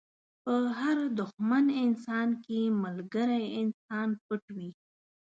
په هر دښمن انسان کې ملګری انسان پټ وي.